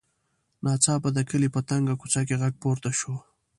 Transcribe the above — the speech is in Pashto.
ناڅاپه د کلي په تنګه کوڅه کې غږ پورته شو.